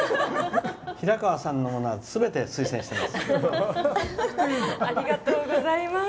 平川さんのものはすべて推薦してます。